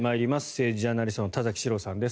政治ジャーナリストの田崎史郎さんです。